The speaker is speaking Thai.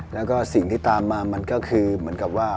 แล้วก็สิ่งที่ตามมามันก็คือเหมือนกับว่า